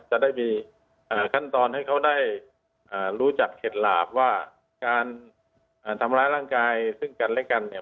จะได้มีขั้นตอนให้เขาได้รู้จักเข็ดหลาบว่าการทำร้ายร่างกายซึ่งกันและกันเนี่ย